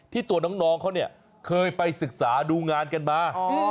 ตัวน้องเขาเนี่ยเคยไปศึกษาดูงานกันมา